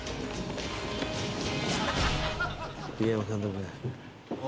栗山監督だ。